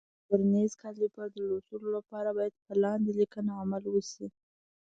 د ورنیز کالیپر د لوستلو لپاره باید په لاندې لیکنه عمل وشي.